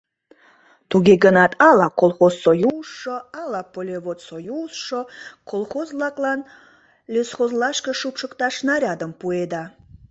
Туге гынат ала колхозсоюзшо, ала полеводсоюзшо колхоз-влаклан лесхозлашке шупшыкташ нарядым пуэда.